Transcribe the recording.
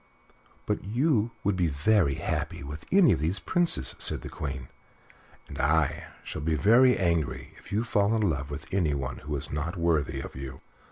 "But you would be very happy with any of these Princes," said the Queen, "and I shall be very angry if you fall in love with anyone who is not worthy of you."